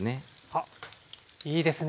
あっいいですね。